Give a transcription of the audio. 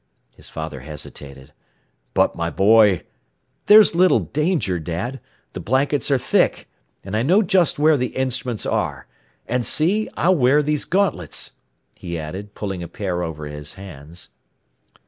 His father hesitated. "But my boy " "There's little danger, Dad. The blankets are thick. And I know just where the instruments are. And see, I'll wear these gauntlets," he added, pulling a pair over his hands.